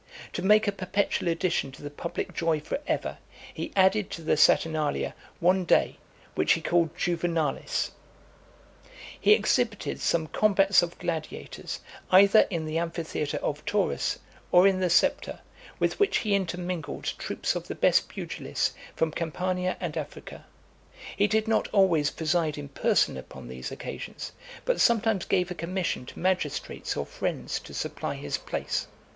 To make a perpetual addition to the public joy for ever, he added to the Saturnalia one day, which he called Juvenalis [the juvenile feast]. XVIII. He exhibited some combats of gladiators, either in the amphitheatre of Taurus , or in the Septa, with which he intermingled troops of the best pugilists from Campania and Africa. He did not always preside in person upon those occasions, but sometimes gave a commission to magistrates or friends to supply his place.